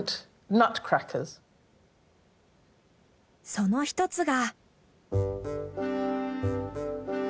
その一つが。